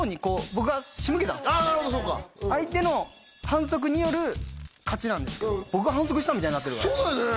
なるほどそうか相手の反則による勝ちなんですけど僕が反則したみたいになってるからそうだよね！